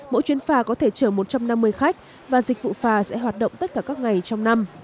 mỗi chuyến phá có thể trở một trăm năm mươi khách và dịch vụ phá sẽ hoạt động tất cả các ngày trong năm